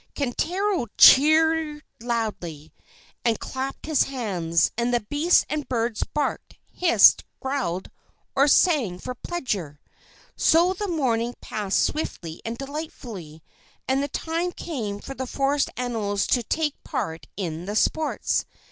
Kintaro cheered loudly, and clapped his hands; and the beasts and birds barked, hissed, growled, or sang for pleasure. So the morning passed swiftly and delightfully, and the time came for the forest animals to take part in the sports.